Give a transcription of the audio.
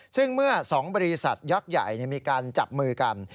ซึ่งเมื่อ๒บริษัทยักษ์ใหญ่มีการจับมือกัน